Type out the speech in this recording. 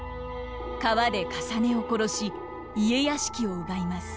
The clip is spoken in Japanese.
川で累を殺し家屋敷を奪います。